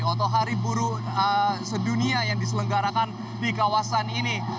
atau hari buruh sedunia yang diselenggarakan di kawasan ini